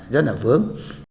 rất là vướng